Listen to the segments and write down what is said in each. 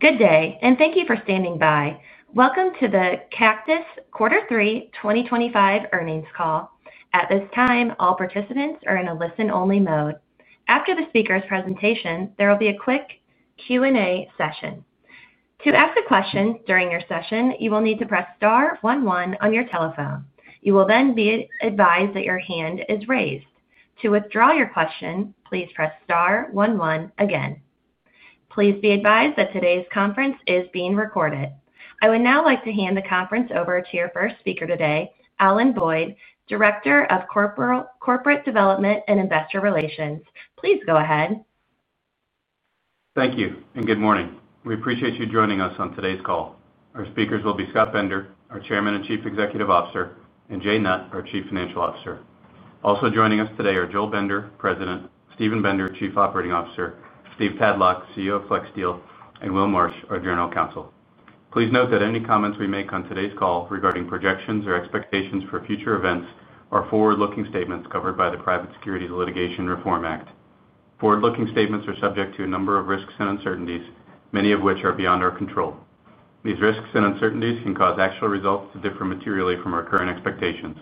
Good day and thank you for standing by. Welcome to the Cactus Quarter 3 2025 earnings call. At this time, all participants are in a listen-only mode. After the speaker's presentation, there will be a quick Q&A session. To ask a question during your session, you will need to press star one one on your telephone. You will then be advised that your hand is raised. To withdraw your question, please press star one one again. Please be advised that today's conference is being recorded. I would now like to hand the conference over to your first speaker today, Alan Boyd, Director of Corporate Development and Investor Relations. Please go ahead. Thank you and good morning. We appreciate you joining us on today's call. Our speakers will be Scott Bender, our Chairman and Chief Executive Officer, and Jay Nutt, our Chief Financial Officer. Also joining us today are Joel Bender, President, Steven Bender, Chief Operating Officer, Steve Tadlock, CEO of FlexSteel, and Will Marsh, our General Counsel. Please note that any comments we make on today's call regarding projections or expectations for future events are forward-looking statements covered by the Private Securities Litigation Reform Act. Forward-looking statements are subject to a number of risks and uncertainties, many of which are beyond our control. These risks and uncertainties can cause actual results to differ materially from our current expectations.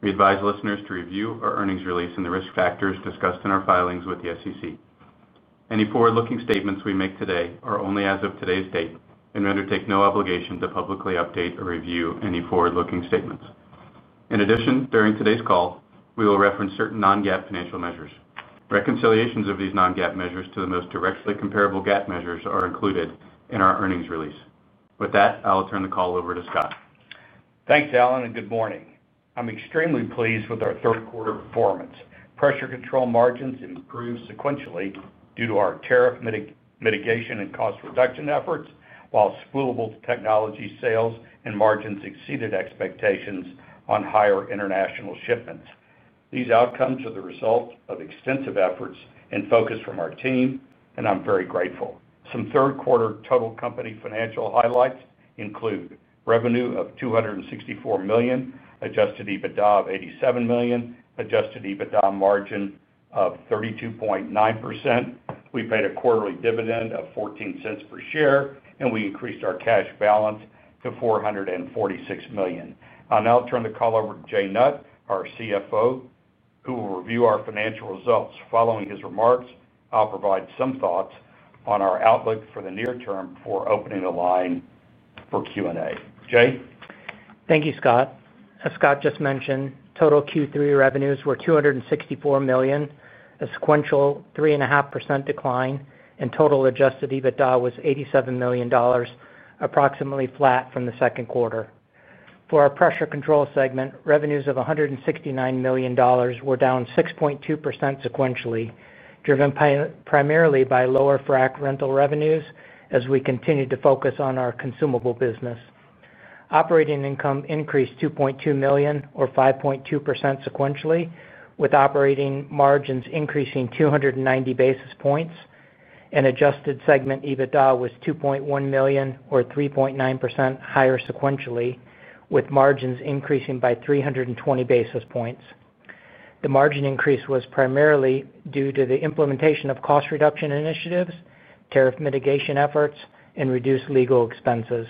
We advise listeners to review our earnings release and the risk factors discussed in our filings with the SEC. Any forward-looking statements we make today are only as of today's date and we undertake no obligation to publicly update or review any forward-looking statements. In addition, during today's call we will reference certain non-GAAP financial measures. Reconciliations of these non-GAAP measures to the most directly comparable GAAP measures are included in our earnings release. With that, I will turn the call over to Scott. Thanks, Alan, and good morning. I'm extremely pleased with our third quarter performance. Pressure Control margins improved sequentially due to our tariff mitigation and cost reduction efforts, while spoolable technology sales and margins exceeded expectations on higher international shipments. These outcomes are the result of extensive efforts and focus from our team and I'm very grateful. Some third quarter total company financial highlights include revenue of $264 million, adjusted EBITDA of $87 million, adjusted EBITDA margin of 32.9%. We paid a quarterly dividend of $0.14 per share and we increased our cash balance to $446 million. I'll now turn the call over to Jay Nutt, our CFO, who will review our financial results. Following his remarks, I'll provide some thoughts on our outlook for the near term before opening the line for Q&A. Jay. Thank you, Scott. As Scott Bender just mentioned, total Q3 revenues were $264 million, a sequential 3.5% decline, and total adjusted EBITDA was $87 million, approximately flat from the second quarter. For our Pressure Control segment, revenues of $169 million were down 6.2% sequentially, driven primarily by lower frac rental revenues as we continued to focus on our consumable business. Operating income increased $2.2 million or 5.2% sequentially, with operating margins increasing 290 basis points, and adjusted segment EBITDA was $2.1 million or 3.9% higher sequentially, with margins increasing by 320 basis points. The margin increase was primarily due to the implementation of cost reduction initiatives, tariff mitigation efforts, and reduced legal expenses.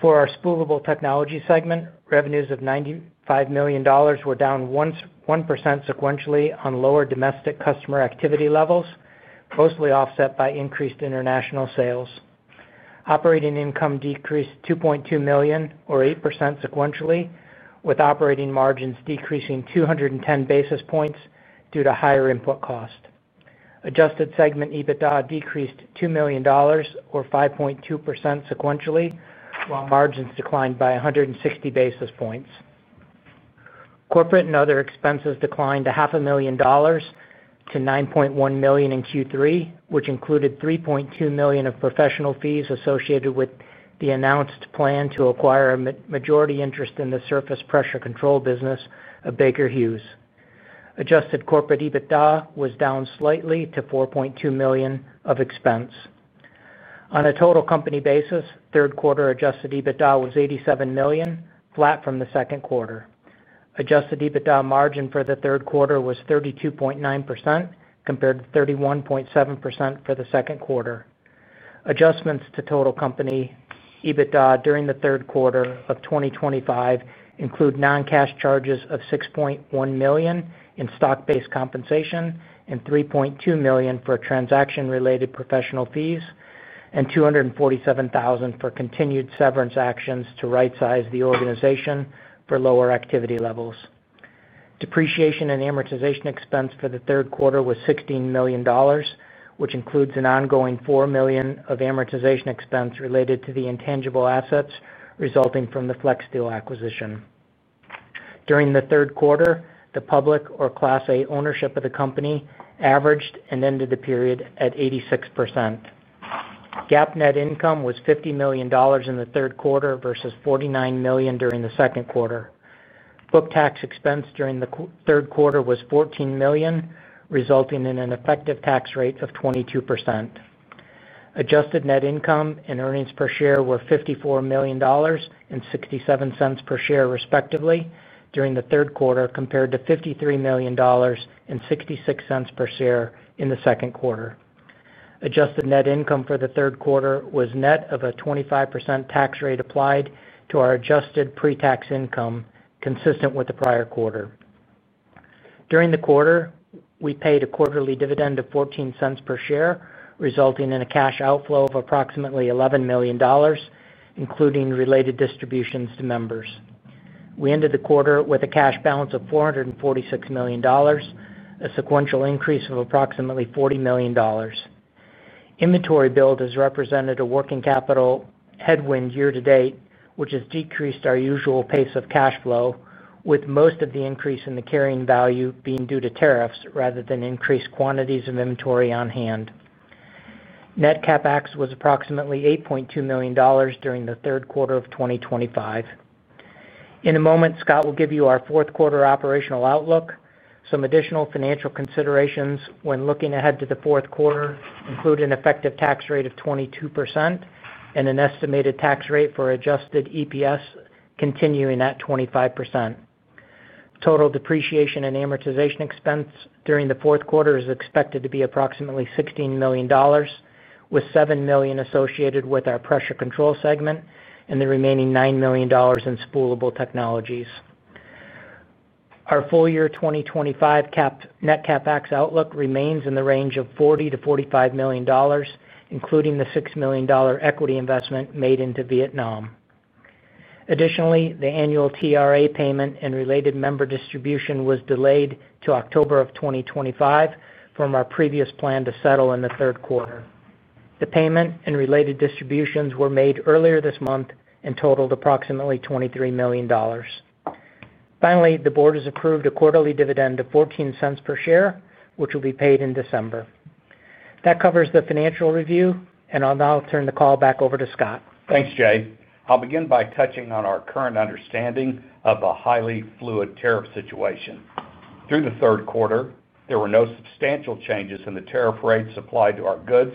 For our Spoolable Technologies segment, revenues of $95 million were down 1% sequentially on lower domestic customer activity levels, mostly offset by increased international sales. Operating income decreased $2.2 million or 8% sequentially, with operating margins decreasing 210 basis points due to higher input cost. Adjusted segment EBITDA decreased $2 million or 5.2% sequentially, while margins declined by 160 basis points. Corporate and other expenses declined to half a million dollars to $9.1 million in Q3, which included $3.2 million of professional fees associated with the announced plan to acquire a majority interest in the Surface Pressure Control business of Baker Hughes. Adjusted corporate EBITDA was down slightly to $4.2 million of expense on a total company basis. Third quarter adjusted EBITDA was $87 million, flat from the second quarter. Adjusted EBITDA margin for the third quarter was 32.9% compared to 31.7% for the second quarter. Adjustments to total company EBITDA during the third quarter of 2025 include noncash charges of $6.1 million in stock-based compensation, $3.2 million for transaction-related professional fees, and $247,000 for continued severance actions to right-size the organization for lower activity levels. Depreciation and amortization expense for the third quarter was $16 million, which includes an ongoing $4 million of amortization expense related to the intangible assets resulting from the FlexSteel acquisition. During the third quarter, the public or Class A ownership of the company averaged and ended the period at 86%. GAAP net income was $50 million in the third quarter versus $49 million during the second quarter. Book tax expense during the third quarter was $14 million, resulting in an effective tax rate of 22%. Adjusted net income and earnings per share were $54 million and $0.67 per share, respectively, during the third quarter compared to $53 million and $0.66 per share in the second quarter. Adjusted net income for the third quarter was net of a 25% tax rate applied to our adjusted pre-tax income, consistent with the prior quarter. During the quarter, we paid a quarterly dividend of $0.14 per share, resulting in a cash outflow of approximately $11 million, including related distributions to members. We ended the quarter with a cash balance of $446 million, a sequential increase of approximately $40 million. Inventory build has represented a working capital headwind year to date, which has decreased our usual pace of cash flow, with most of the increase in the carrying value being due to tariffs rather than increased quantities of inventory on hand. Net CapEx was approximately $8.2 million during the third quarter of 2025. In a moment, Scott will give you our fourth quarter operational outlook. Some additional financial considerations when looking ahead to the fourth quarter include an effective tax rate of 22% and an estimated tax rate for adjusted EPS continuing at 25%. Total depreciation and amortization expense during the fourth quarter is expected to be approximately $16 million, with $7 million associated with our Pressure Control segment and the remaining $9 million in Spoolable Technologies. Our full year 2025 net CapEx outlook remains in the range of $40 million-$45 million, including the $6 million equity investment made into Vietnam. Additionally, the annual TRA payment and related member distribution was delayed to October of 2025 from our previous plan to settle in the third quarter. The payment and related distributions were made earlier this month and totaled approximately $23 million. Finally, the board has approved a quarterly dividend of $0.14 per share, which will be paid in December. That covers the Financial Review and I'll now turn the call back over to Scott. Thanks, Jay. I'll begin by touching on our current understanding of a highly fluid tariff situation. Through the third quarter, there were no substantial changes in the tariff rates applied to our goods,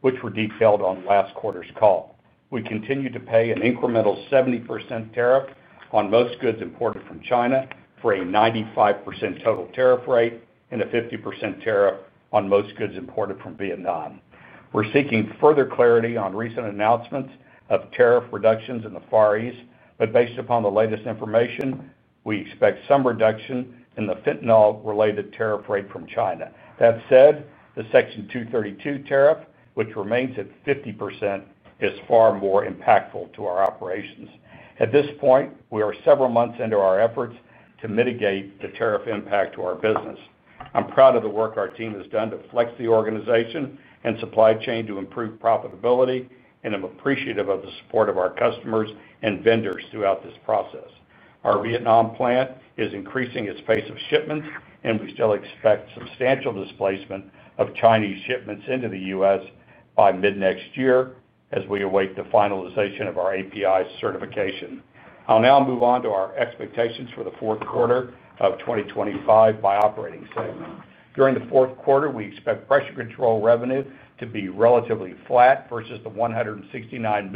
which were detailed on last quarter's call. We continue to pay an incremental 70% tariff on most goods imported from China for a 95% total tariff rate and a 50% tariff on most goods imported from Vietnam. We're seeking further clarity on recent announcements of tariff reductions in the Far East, but based upon the latest information, we expect some reduction in the fentanyl-related tariff rate from China. That said, the Section 232 tariff, which remains at 50%, is far more impactful to our operations. At this point, we are several months into our efforts to mitigate the tariff impact to our business. I'm proud of the work our team has done to flex the organization and supply chain to improve profitability, and I'm appreciative of the support of our customers and vendors throughout this process. Our Vietnam plant is increasing its pace of shipments, and we still expect substantial displacement of Chinese shipments into the U.S. by mid next year. As we await the finalization of our API certification, I'll now move on to our expectations for the fourth quarter of 2025 by operating system segment. During the fourth quarter, we expect Pressure Control revenue to be relatively flat versus the $169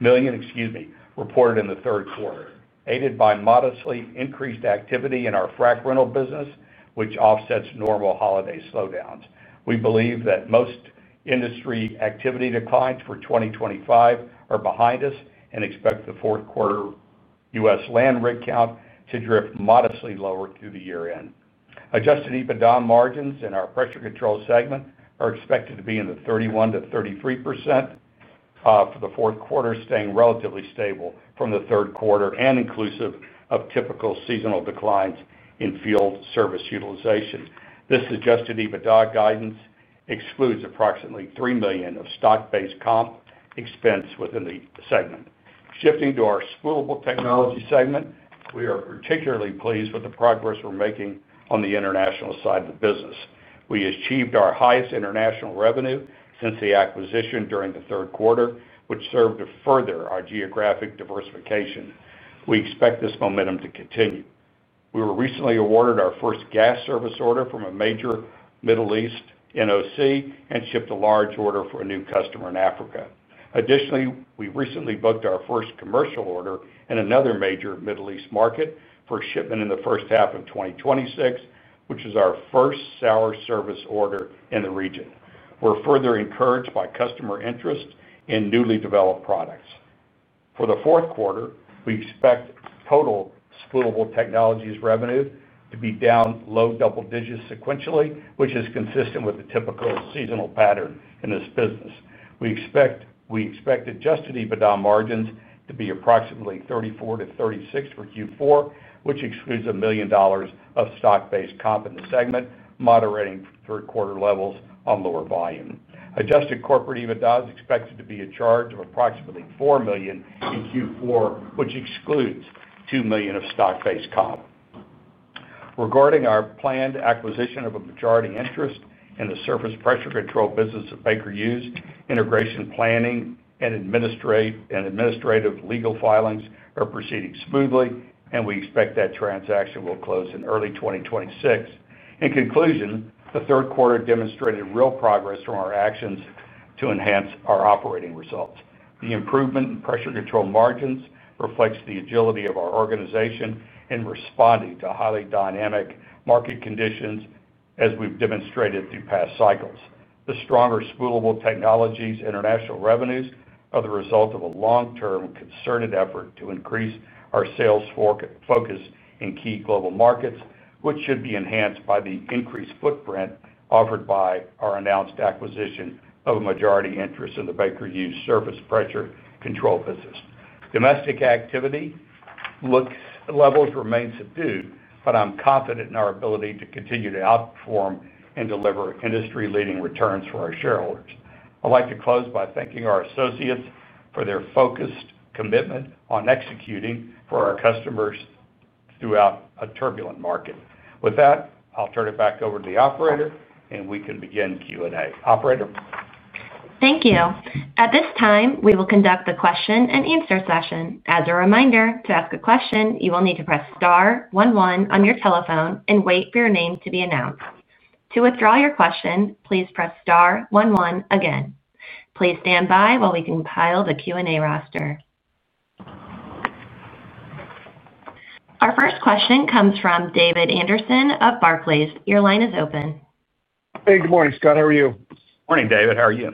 million reported in the third quarter, aided by modestly increased activity in our frac rental business, which offsets normal holiday slowdowns. We believe that most industry activity declines for 2025 are behind us and expect the fourth quarter U.S. land rig count to drift modestly lower through the year end. Adjusted EBITDA margins in our Pressure Control segment are expected to be in the 31%-33% range for the fourth quarter, staying relatively stable from the third quarter and inclusive of typical seasonal declines in field service utilization. This adjusted EBITDA guidance excludes approximately $3 million of stock-based comp expense within the segment. Shifting to our Spoolable Technologies segment, we are particularly pleased with the progress we're making on the international side of the business. We achieved our highest international revenue since the acquisition during the third quarter, which served to further our geographic diversification. We expect this momentum to continue. We were recently awarded our first gas service order from a major Middle East NOC and shipped a large order for a new customer in Africa. Additionally, we recently booked our first commercial order in another major Middle East market for shipment in the first half of 2026, which is our first sour service order in the region. We're further encouraged by customer interest in newly developed products. For the fourth quarter, we expect total Spoolable Technologies revenue to be down low double digits sequentially, which is consistent with the typical seasonal pattern in this business. We expect adjusted EBITDA margins to be approximately 34%-36% for Q4, which excludes $1 million of stock-based comp in the segment, moderating third quarter levels on lower volume. Adjusted corporate EBITDA is expected to be a charge of approximately $4 million in Q4, which excludes $2 million of stock-based comp. Regarding our planned acquisition of a majority interest in the Surface Pressure Control business at Baker Hughes, integration planning and administrative legal filings are proceeding smoothly and we expect that transaction will close in early 2026. In conclusion, the third quarter demonstrated real progress from our actions to enhance our operating results. The improvement in Pressure Control margins reflects the agility of our organization in responding to highly dynamic market conditions, as we've demonstrated through past cycles. The stronger Spoolable Technologies international revenues are the result of a long-term concerted effort to increase our sales focus in key global markets, which should be enhanced by the increased footprint offered by our announced acquisition of a majority interest in the Baker Hughes' Surface Pressure Control business. Domestic activity levels remain subdued, but I'm confident in our ability to continue to outperform and deliver industry-leading returns for our shareholders. I'd like to close by thanking our associates for their focused commitment on executing for our customers throughout a turbulent market. With that, I'll turn it back over to the operator and we can begin Q&A. Operator. Thank you. At this time, we will conduct the question and answer session. As a reminder, to ask a question, you will need to press star one one on your telephone and wait for your name to be announced. To withdraw your question, please press star oneone again. Please stand by while we compile the Q and A roster. Our first question comes from David Anderson of Barclays. Your line is open. Hey, good morning, Scott. How are you? Morning, David. How are you?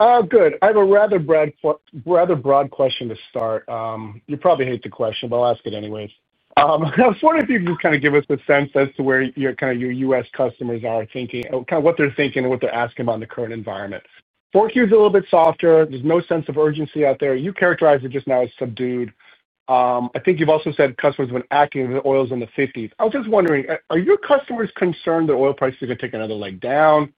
Good. I have a rather broad question to start. You probably hate the question, but I'll ask it anyway. I was wondering if you can kind of give us a sense as to where your U.S. customers are thinking, what they're thinking, what they're asking about in the current environment. 4Q is a little bit softer. There's no sense of urgency out there. You characterize it just now as subdued. I think you've also said customers when acting the oil's in the 50s. I was just wondering, are your customers concerned that oil prices are going to take another leg down?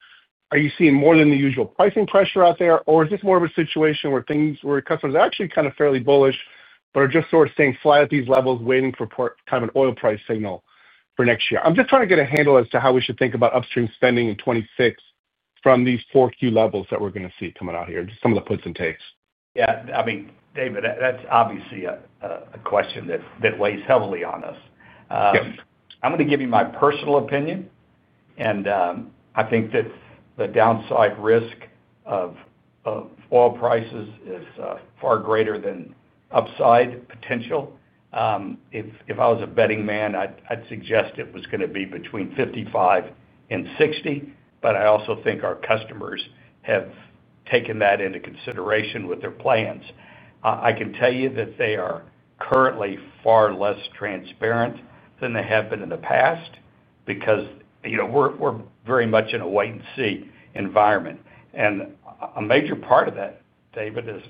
Are you seeing more than the usual pricing pressure out there, or is this more of a situation where things where customers actually kind of fairly bullish but are just sort of staying flat at these levels, waiting for kind of an oil price signal for next year? I'm just trying to get a handle as to how we should think about upstream spending in 2026 from these 4Q levels that we're going to see coming out here. Some of the puts and takes. Yeah, I mean, David, that's obviously a question that weighs heavily on us. I'm going to give you my personal opinion and I think that the downside risk of oil prices is far greater than upside potential. If I was a betting man, I'd suggest it was going to be between $55 and $60. I also think our customers have taken that into consideration with their plans. I can tell you that they are currently far less transparent than they have been in the past because we're very much in a wait and see environment. A major part of that, David, is,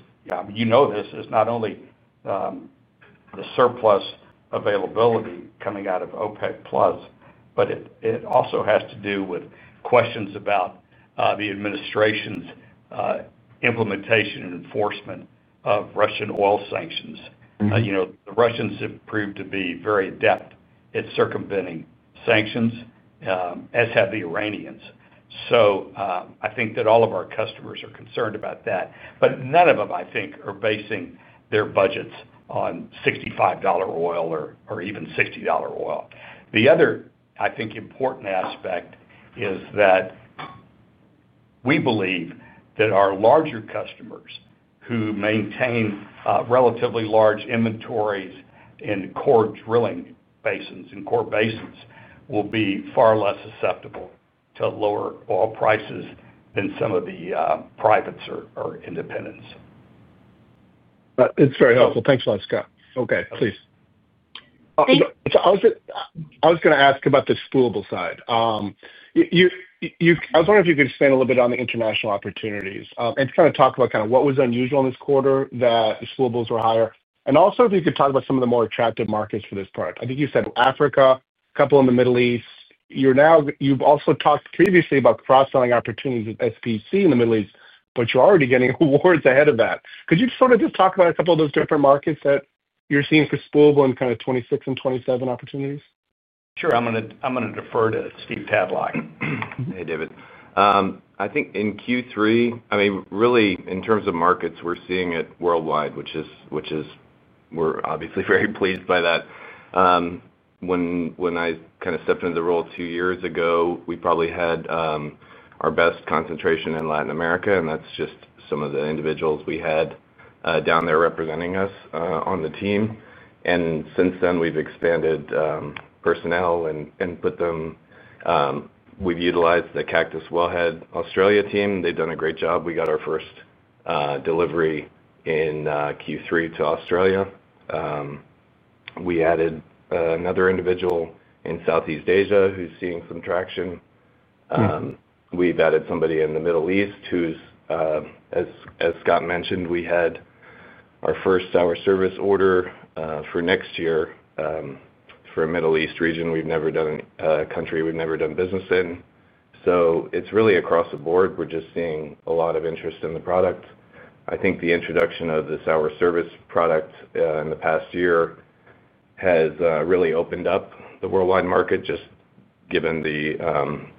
you know, this is not only the surplus availability coming out of OPEC+, but it also has to do with questions about the administration's implementation and enforcement of Russian oil sanctions. The Russians have proved to be very adept at circumventing sanctions, as have the Iranians. I think that all of our customers are concerned about that, but none of them, I think, are basing their budgets on $65 oil or even $60 oil. The other, I think, important aspect is that we believe that our larger customers who maintain relatively large inventories in core drilling basins and core basins will be far less susceptible to lower oil prices than some of the privates or independents. It's very helpful. Thanks a lot, Scott. Okay, please. I was going to ask about the spoolable side. I was wondering if you could explain a little bit on the international opportunities and kind of talk about kind of what was unusual in this quarter that spools were higher and also if you could talk about some of the more attractive markets for this part. I think you said Africa, couple in the Middle East. You've also talked previously about cross selling opportunities with SPC in the Middle East, but you're already getting awards ahead of that. Could you sort of just talk about a couple of those different markets that you're seeing for spool in kind of 2026 and 2027 opportunities? Sure. I'm going to defer to Steve Tadlock. Hey David, I think in Q3, I mean really in terms of markets, we're seeing it worldwide, which is we're obviously very pleased by that. When I kind of stepped into the role two years ago, we probably had our best concentration in Latin America. That's just some of the individuals we had down there representing us on the team. Since then we've expanded personnel and put them, we've utilized the Cactus Wellhead Australia team. They've done a great job. We got our first delivery in Q3 to Australia. We added another individual in Southeast Asia who's seeing some traction. We've added somebody in the Middle East who's, as Scott mentioned, we had our first sour service order for next year for a Middle East region we've never done, a country we've never done business in. It's really across the board. We're just seeing a lot of interest in the product. I think the introduction of the sour service product in the past year has really opened up the worldwide market, just given the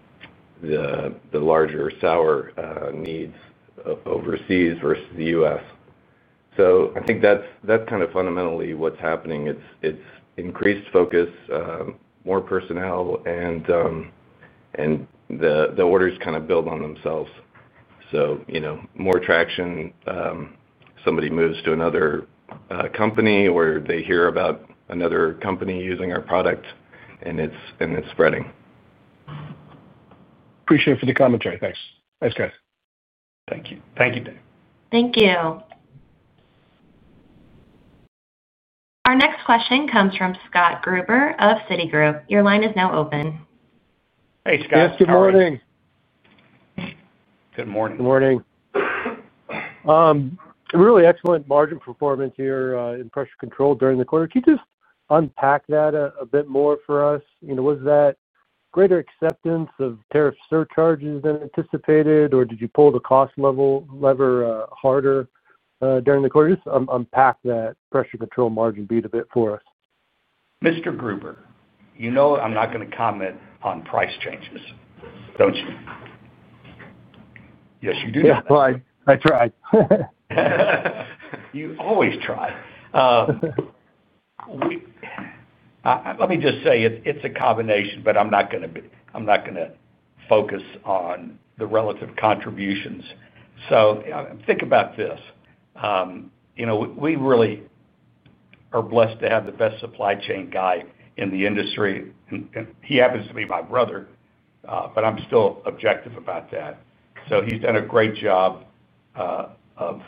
larger sour needs overseas versus the U.S. I think that's kind of fundamentally what's happening. It's increased focus, more personnel and the orders kind of build on themselves. More traction. Somebody moves to another company or they hear about another company using our product and it's spreading. Appreciate it for the commentary. Thanks. Thanks, guys. Thank you. Thank you, Dave. Thank you. Our next question comes from Scott Gruber of Citigroup. Your line is now open. Hey, Scott. Yes. Good morning. Good morning. Good morning. Really excellent margin performance here in Pressure Control during the quarter. Can you just unpack that a bit more for us? You know, was that greater acceptance of tariff surcharges than anticipated or did you pull the cost level lever harder during the quarter? Just unpack that Pressure Control margin beat a bit for us. Mr. Gruber, you know I'm not going to comment on price changes, don't you? Yes, you do. I tried. You always try. Let me just say it's a combination, but I'm not going to focus on the relative contributions. Think about this. You know, we really are blessed to have the best supply chain guy in the industry. He happens to be my brother, but I'm still objective about that. He's done a great job of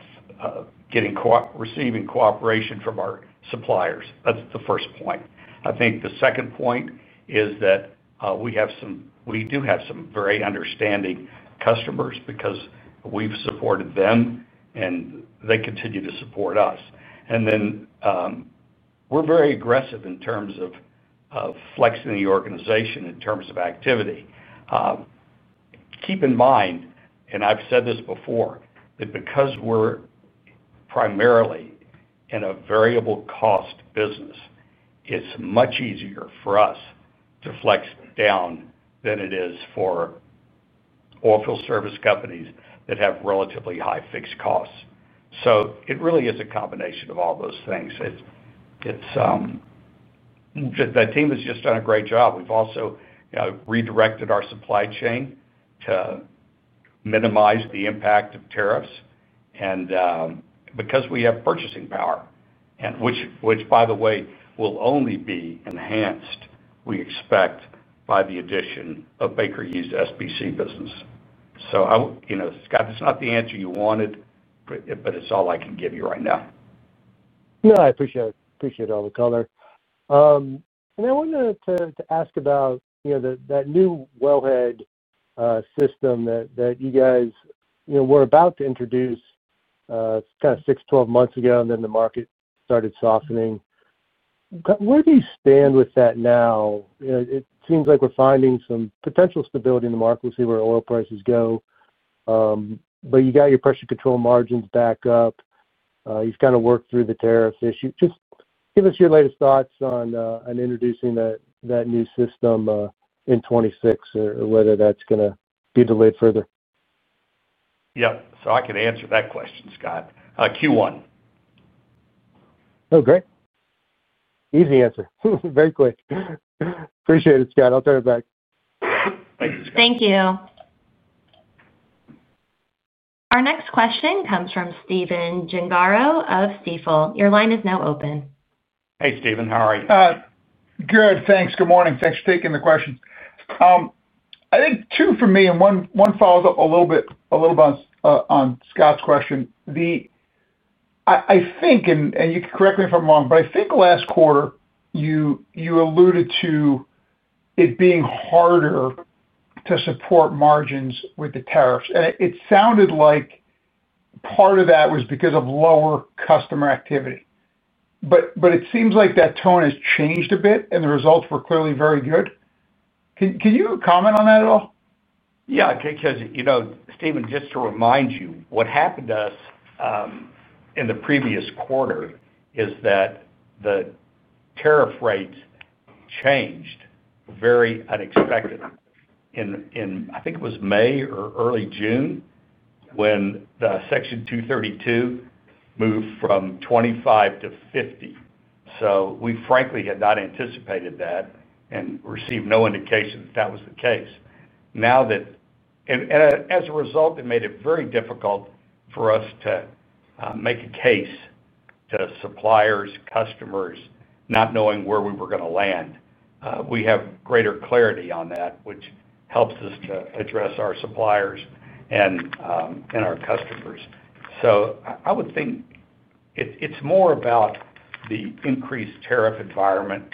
getting receiving cooperation from our suppliers. That's the first point. I think the second point is that we do have some very understanding customers because we've supported them and they continue to support us. We're very aggressive in terms of flexing the organization in terms of activity. Keep in mind, and I've said this before, that because we're primarily in a variable cost business, it's much easier for us to flex down than it is for oilfield service companies that have relatively high fixed costs. It really is a combination of all those things. That team has just done a great job. We've also redirected our supply chain to minimize the impact of tariffs and because we have purchasing power, which by the way will only be enhanced we expect by the addition of Baker Hughes' SPC business. Scott, it's not the answer you wanted, but it's all I can give you right now. No, I appreciate all the color. I wanted to ask about that new Wellhead system that you guys were about to introduce kind of six to twelve months ago, and then the market started softening. Where do you stand with that now? Seems like we're finding some potential stability in the market. We'll see where oil prices go. You got your Pressure Control margins back up. You've kind of worked through the tariff issue. Just give us your latest thoughts on introducing that new system in 2026 or whether that's going to be delayed further. Yep. I can answer that question, Scott. Q1. Oh, great. Easy answer, very quick. Appreciate it, Scott. I'll turn it back. Thank you, Scott. Thank you. Our next question comes from Stephen Gengaro of Stifel. Your line is now open. Hey, Stephen, how are you? Good, thanks. Good morning. Thanks for taking the questions. I think two for me and one follows up a little bit on Scott's question, I think, and you can correct me if I'm wrong, but I think last quarter you alluded to it being harder to support margins with the tariffs. It sounded like part of that was because of lower customer activity. It seems like that tone has changed a bit and the results were clearly very good. Can you comment on that at all? Yeah, because, you know, Stephen, just to remind you, what happened to us in the previous quarter is that the tariff rates changed very unexpectedly in, I think it was May or early June when the Section 232 moved from 25% to 50%. We frankly had not anticipated that and received no indication that that was the case. As a result, it made it very difficult for us to make a case to suppliers, customers not knowing where we were going to land. We have greater clarity on that which helps us to address our suppliers and our customers. I would think it's more about the increased tariff environment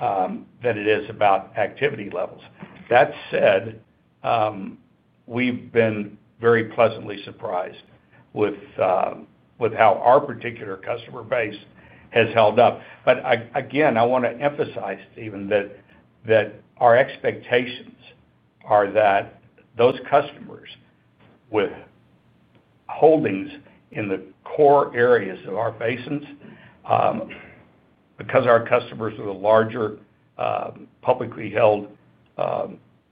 than it is about activity levels. That said, we've been very pleasantly surprised with how our particular customer base has held up. I want to emphasize, Stephen, that our expectations are that those customers with holdings in the core areas of our basins, because our customers are the larger publicly held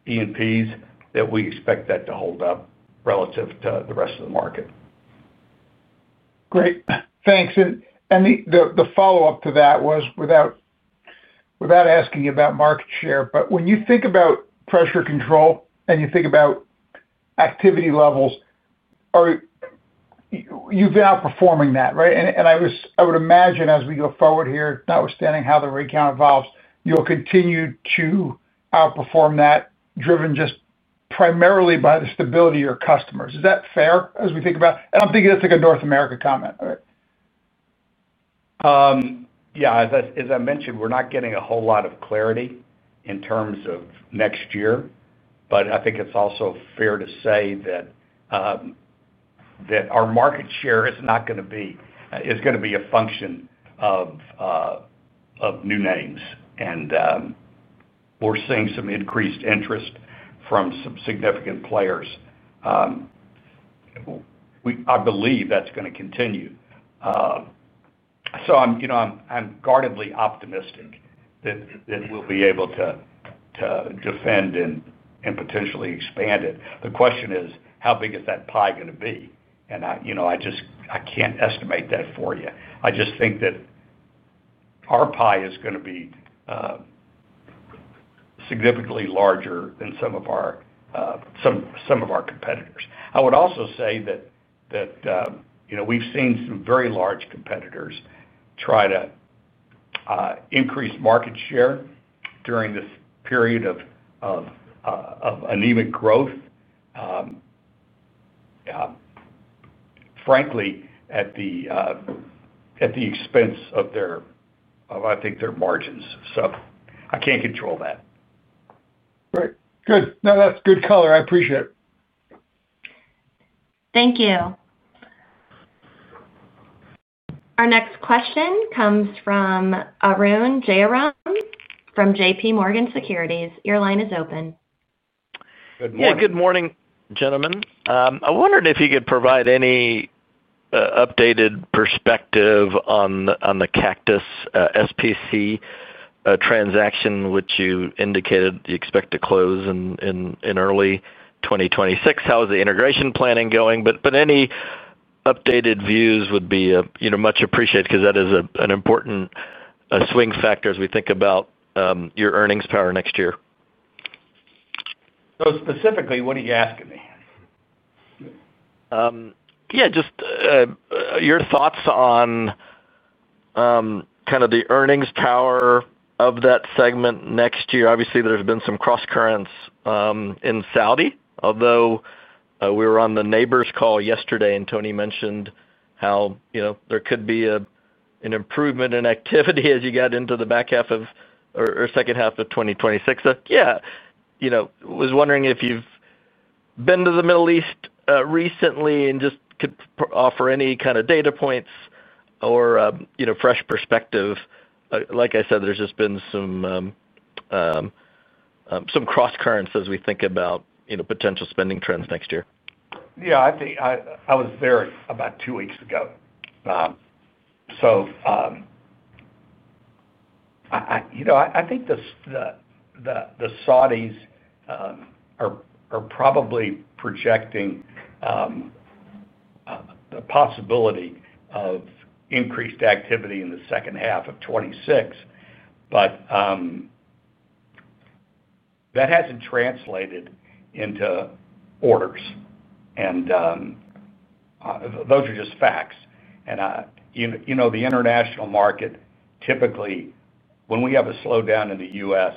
E&P's, that we expect that to hold up relative to the rest of the market. Great, thanks. The follow up to that was, without asking about market share, when you think about pressure control and you think about activity levels, you've been outperforming that. Right. I would imagine as we go forward here, notwithstanding how the rate count evolves, you'll continue to outperform that, driven just primarily by the stability of your customers. Is that fair? As we think about, and I'm thinking that's like a North America comment. Yeah. As I mentioned, we're not getting a whole lot of clarity in terms of next year. I think it's also fair to say that our market share is going to be a function of new names and we're seeing some increased interest from some significant players. I believe that's going to continue. I'm guardedly optimistic that we'll be able to defend and potentially expand it. The question is how big is that pie going to be? I can't estimate that for you. I just think that our pie is going to be significantly larger than some of our competitors. I would also say that we've seen some very large competitors try to increase market share during this period of anemic growth, frankly at the expense of their margins. I can't control that. Right, good. No, that's good color. I appreciate it. Thank you. Our next question comes from Arun Jayaram from JPMorgan Securities. Your line is open. Good morning. Yeah, good morning gentlemen. I wondered if you could provide any updated perspective on the Cactus SPC transaction which you indicated you expect to close in early 2026. How is the integration planning going? Any updated views would be much appreciated because that is an important swing factor as we think about your earnings power next year. Specifically, what are you asking me? Yeah, just your thoughts on kind of the earnings power of that segment next year. Obviously there's been some cross currents in Saudi, although we were on the neighbors call yesterday and Tony mentioned how there could be an improvement in activity as you got into the back half of or second half of 2026. I was wondering if you've been to the Middle East recently and just could offer any kind of data points or fresh perspective. Like I said, there's just been some cross currents as we think about potential spending trends next year. I was there about two weeks ago. I think the Saudis are probably projecting the possibility of increased activity in second half of 2026. That hasn't translated into orders and those are just facts. The international market, typically when we have a slowdown in the U.S.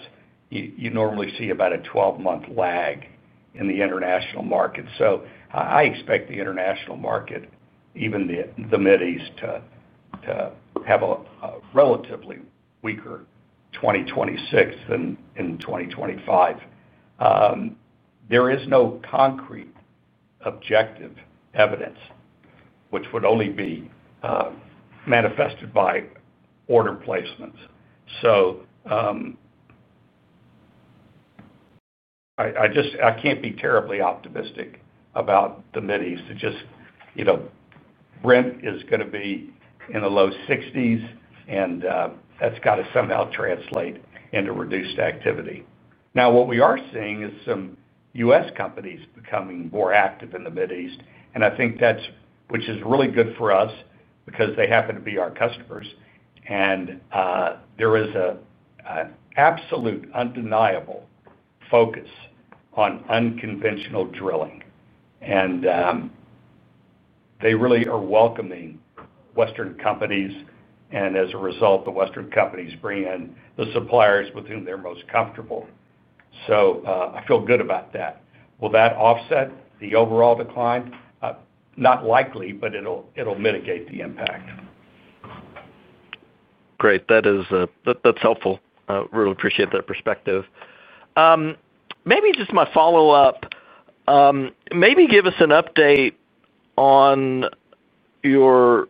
you normally see about a 12 month lag in the international market. I expect the international market, even the Middle East, to have a relatively weaker 2026 than in 2025. There is no concrete objective evidence which would only be manifested by order placements. I just can't be terribly optimistic about the minis to just, you know, rent is going to be in the low 60s, and that's got to somehow translate into reduced activity. What we are seeing is some U.S. companies becoming more active in the Middle East. I think that's really good for us because they happen to be our customers. There is an absolute undeniable focus on unconventional drilling. They really are welcoming Western companies. As a result, the Western companies bring in the suppliers with whom they're most comfortable. I feel good about that. Will that offset the overall decline? Not likely, but it'll mitigate the impact. Great, that's helpful. Really appreciate that perspective. Maybe just my follow up, maybe give us an update on your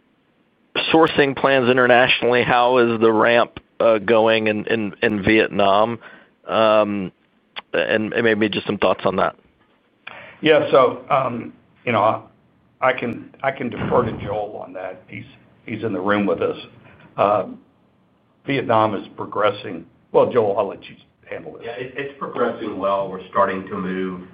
sourcing plans internationally. How is the ramp going in Vietnam? Maybe just some thoughts on that. Yeah, I can defer to Joel on that. He's in the room with us. Vietnam is progressing well. Joel, I'll let you handle this. It's progressing well. We're starting to move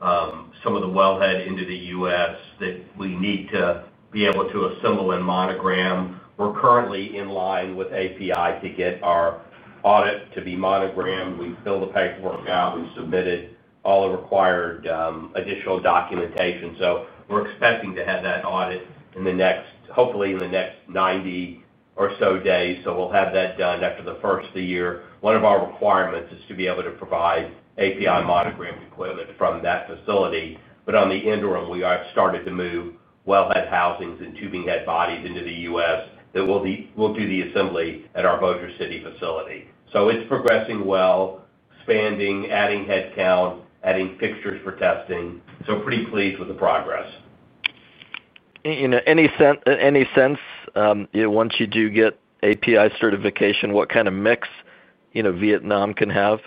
some of the wellhead into the U.S.that we need to be able to assemble and monogram. We're currently in line with API to get our audit to be monogrammed. We filled the paperwork out, we submitted all the required additional documentation. We're expecting to have that audit in the next, hopefully in the next 90 or so days. We'll have that done after the first of the year. One of our requirements is to be able to provide API monogram equipment from that facility. In the interim, we have started to move wellhead housings and tubing head bodies into the U.S. that will do the assembly at our Bossier City facility. It's progressing well, expanding, adding headcount, adding fixtures for testing. Pretty pleased with the progress. Any sense, once you do get API certification, what kind of mix Vietnam can have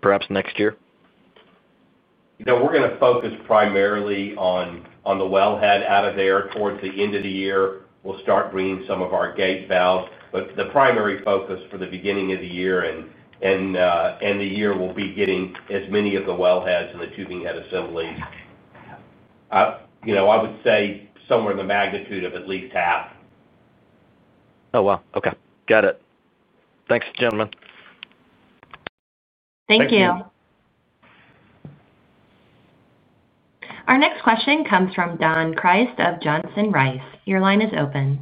perhaps next year. We're going to focus primarily on the Wellhead out of there towards the end of the year, we'll start bringing some of our gate valves. The primary focus for the beginning of the year and the year will be getting as many of the Wellheads in the 2000 assemblies. I would say somewhere in the magnitude of at least half. Oh, wow. Okay, got it. Thanks, gentlemen. Thank you. Our next question comes from Don Crist of Johnson Rice. Your line is open.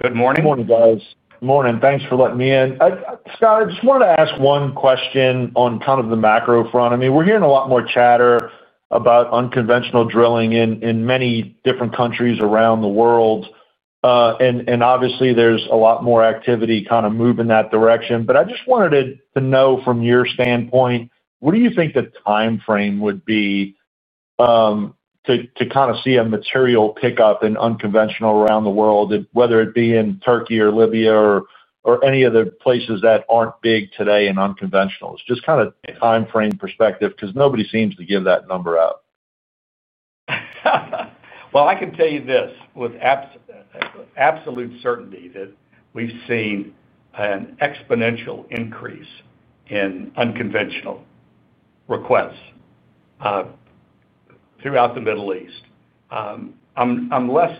Good morning. Good morning, guys. Good morning. Thanks for letting me in. Scott, I just wanted to ask one question on kind of the macro front. I mean, we're hearing a lot more chatter about unconventional drilling in many different countries around the world. Obviously, there's a lot more activity kind of moving that direction. I just wanted to know from your standpoint, what do you think the timeframe would be to kind of see a material pickup in unconventional around the world, whether it be in Turkey or Libya or any of the places that aren't big today in unconventional. It's just kind of timeframe perspective because nobody seems to give that number out. I can tell you this with absolute certainty that we've seen an exponential increase in unconventional requests throughout the Middle East. I'm less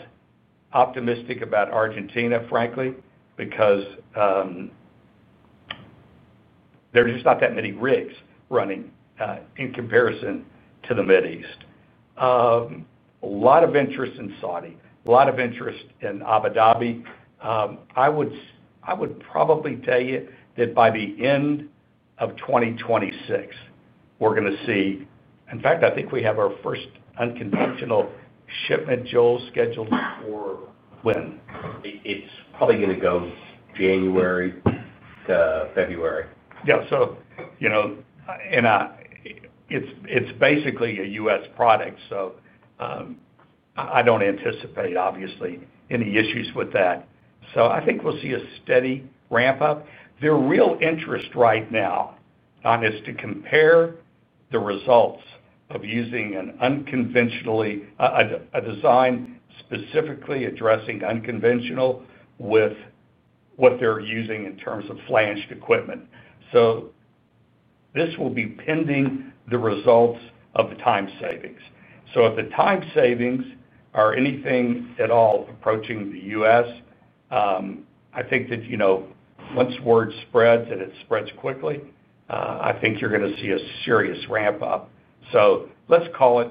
optimistic about Argentina, frankly, because there's just not that many rigs running in comparison to the Middle East. A lot of interest in Saudi, a lot of interest in Abu Dhabi. I would probably tell you that by the end of 2026, we're going to see, in fact, I think we have our first unconventional shipment, Joel, scheduled for when. It's probably going to go January to February. Yeah. It's basically a U.S. product. I don't anticipate obviously any issues with that. I think we'll see a steady ramp up. Their real interest right now is to compare the results of using an unconventionally, a design specifically addressing unconventional with what they're using in terms of flanged equipment. This will be pending the results of the time savings. If the time savings are anything at all approaching the U.S., I think that, you know, once word spreads and it spreads quickly, I think you're going to see a serious ramp up. Let's call it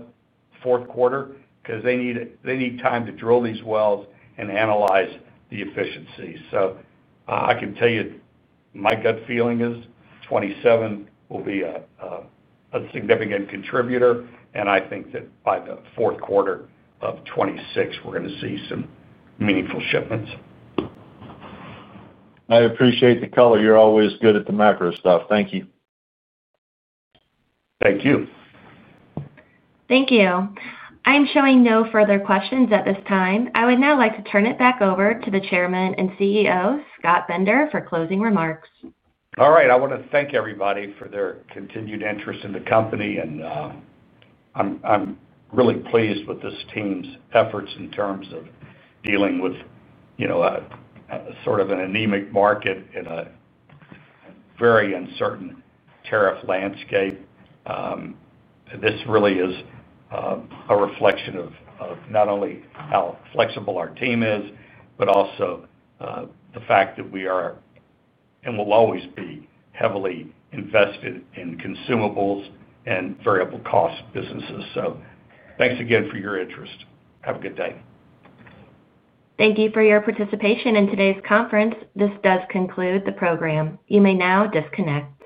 fourth quarter because they need time to drill these wells and analyze the efficiencies. I can tell you my gut feeling is 2027 will be a significant contributor. I think that by fourth quarter of 2026, we're going to see some meaningful shipments. I appreciate the color. You're always good at the macro stuff. Thank you. Thank you. Thank you. I am showing no further questions at this time. I would now like to turn it back over to the Chairman and CEO Scott Bender for closing remarks. All right. I want to thank everybody for their continued interest in the company, and I'm really pleased with this team's efforts in terms of dealing with an anemic market in a very uncertain tariff landscape. This really is a reflection of not only how flexible our team is, but also the fact that we are and will always be heavily invested in consumables and variable cost businesses. Thanks again for your interest. Have a good day. Thank you for your participation in today's conference. This does conclude the program. You may now disconnect.